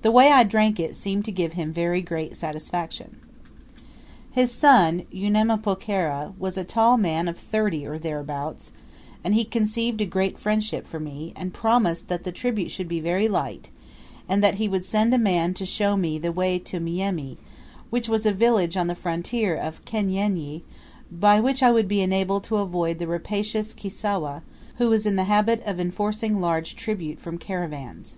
The way I drank it seemed to give him very great satisfaction. His son, Unamapokera, was a tall man of thirty or thereabouts, and he conceived a great friendship for me, and promised that the tribute should be very light, and that he would send a man to show me the way to Myumi, which was a village on the frontier of Kanyenyi, by which I would be enabled to avoid the rapacious Kisewah, who was in the habit of enforcing large tribute from caravans.